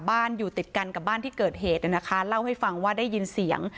อยู่ติดกันกับบ้านที่เกิดเหตุนะคะเล่าให้ฟังว่าได้ยินเสียง